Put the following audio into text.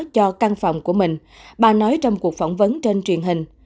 cho căn phòng của mình bà nói trong cuộc phỏng vấn trên truyền hình